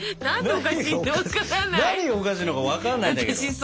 何がおかしいのか分かんないんだけど。